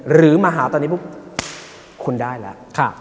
หรือมาหาตอนนี้ปุ๊บคุณได้แล้ว